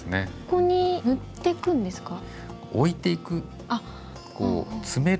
ここに塗ってくんですか？